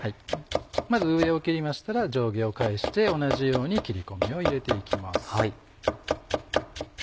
まず上を切りましたら上下を返して同じように切り込みを入れていきます。